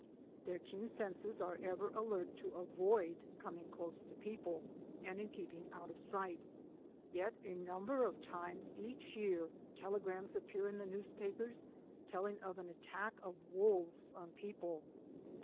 Their keen senses are ever alert to avoid coming close to peo ple and in keeping out of sight. Yet a number of times each year telegrams appear in the news papers telling of an attack of wolves on people.